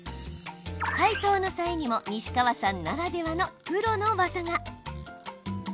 解凍の際にも西川さんならではのプロの技が。